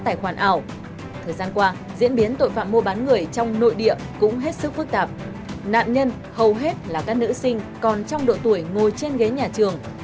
thời gian qua diễn biến tội phạm mua bán người trong nội địa cũng hết sức phức tạp nạn nhân hầu hết là các nữ sinh còn trong độ tuổi ngồi trên ghế nhà trường